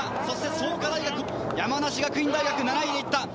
そして創価大学山梨学院大学７位で行った。